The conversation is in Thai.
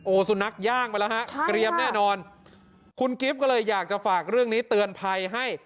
สุนัขย่างไปแล้วฮะเกรียมแน่นอนคุณกิฟต์ก็เลยอยากจะฝากเรื่องนี้เตือนภัยให้